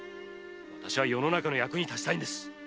私は世の中の役に立ちたいんです。